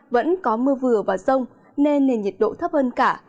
vẫn có mưa vừa và rông nên nền nhiệt độ thấp hơn cả